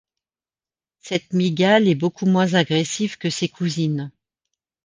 Cette mygale est beaucoup moins agressive que ses cousines.